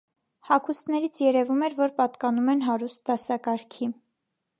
Հագուստներից երևում էր, որ պատկանում են հարուստ դասակարգի: